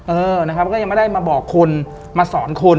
เออนะครับก็ยังไม่ได้มาบอกคนมาสอนคน